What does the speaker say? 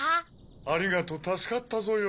ありがとうたすかったぞよ